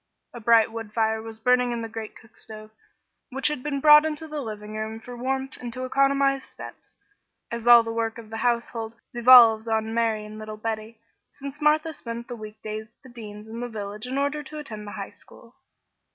A bright wood fire was burning in the great cookstove, which had been brought into the living room for warmth and to economize steps, as all the work of the household devolved on Mary and little Betty, since Martha spent the week days at the Deans in the village in order to attend the high school.